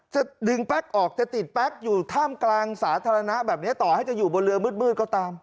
จะดึงแป๊กออกจะติดแป๊กอยู่ท่ามกลางสาธารณะแบบนี้ต่อให้จะอยู่บนเรือมืดก็ตาม